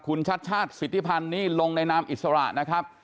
คุณชัดชาติสิทธิพันธ์นี่ลงในนามอิสระนะครับ